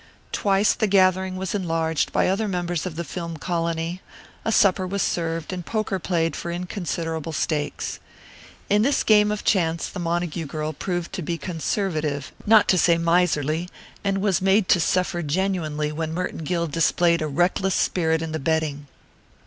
Twice the gathering was enlarged by other members of the film colony, a supper was served and poker played for inconsiderable stakes. In this game of chance the Montague girl proved to be conservative, not to say miserly, and was made to suffer genuinely when Merton Gill displayed a reckless spirit in the betting.